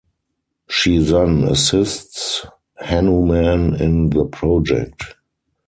She then assists Hanuman in the project.